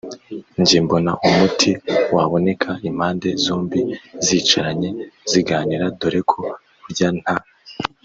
njye mbona umuti waboneka impande zombi zicaranye ziganira; dore ko burya nta